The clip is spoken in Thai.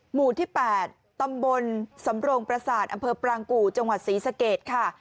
หมู่ที่๘ตำบลสำโรงประสาทอำเภอปรางกู่จังหวัดศรีสเกตค่ะ